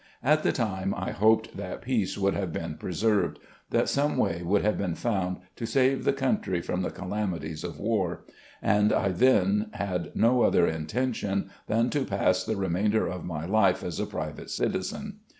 At the time, I hoped that peace would have been preserved; that some way would have been found to save the cotmtry from the calamities of war; and I then had no other intention than to pass the remainder of my life as a private citizen.